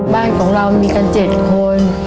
บ้านของเรามีกัน๗คน